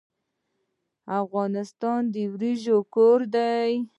افغانستان د وریجو کور دی.